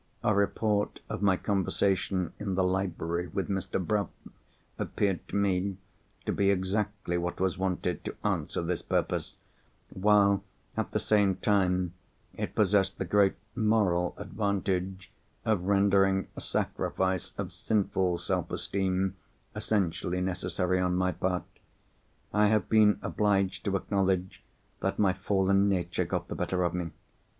A report of my conversation in the library with Mr. Bruff appeared to me to be exactly what was wanted to answer this purpose—while, at the same time, it possessed the great moral advantage of rendering a sacrifice of sinful self esteem essentially necessary on my part. I have been obliged to acknowledge that my fallen nature got the better of me.